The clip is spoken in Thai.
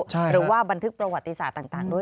หรือว่าบันทึกประวัติศาสตร์ต่างด้วย